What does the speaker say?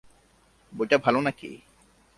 বইটা ভাল নাকি?